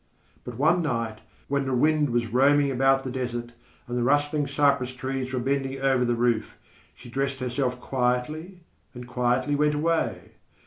But one night, when the wind was roaming about the desert, and the rustling cypress trees were bending over the roof, she dressed herself quietly, and quietly went away.